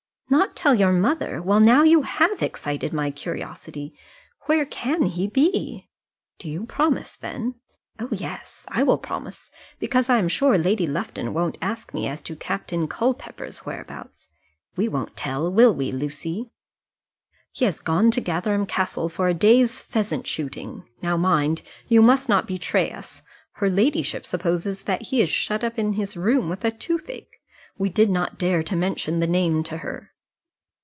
"Not tell your mother! Well, now you have excited my curiosity! where can he be?" "Do you promise, then?" "Oh, yes! I will promise, because I am sure Lady Lufton won't ask me as to Captain Culpepper's whereabouts. We won't tell; will we, Lucy?" "He has gone to Gatherum Castle for a day's pheasant shooting. Now, mind, you must not betray us. Her ladyship supposes that he is shut up in his room with a toothache. We did not dare to mention the name to her."